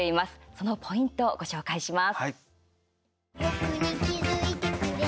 そのポイントをご紹介します。